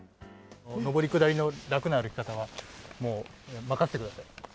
上り下りの楽な歩き方は、もう任せてください。